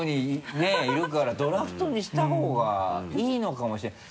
ねぇいるからドラフトにした方がいいのかもしれない。